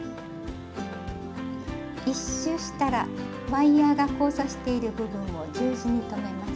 １周したらワイヤーが交差している部分を十字に留めます。